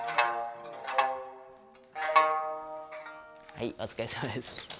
はいお疲れさまです。